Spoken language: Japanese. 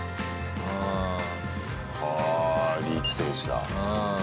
ああ、リーチ選手だ。